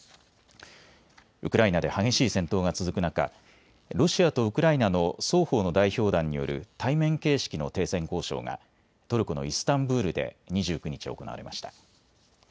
ウクライナで激しい戦闘が続く中、ロシアとウクライナの双方の代表団による対面形式の停戦交渉がトルコのイスタンブールで２９日、行われました。